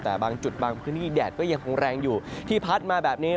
แต่บางจุดบางพื้นที่แดดก็ยังคงแรงอยู่ที่พัดมาแบบนี้